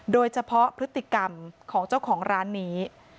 โดยเฉพาะพฤติกรรมของเจ้าของร้านนี้